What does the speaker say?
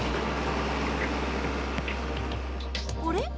あれ？